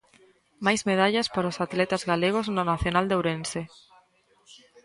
Máis medallas para os atletas galegos no nacional de Ourense.